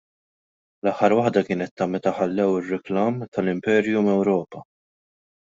L-aħħar waħda kienet ta' meta ħallew ir-riklam tal-Imperium Ewropa.